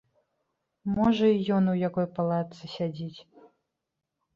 Можа, і ён у якой палатцы сядзіць.